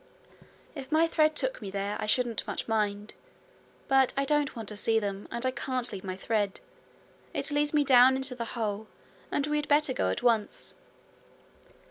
'If my thread took me there, I shouldn't much mind; but I don't want to see them, and I can't leave my thread. It leads me down into the hole, and we had better go at once.'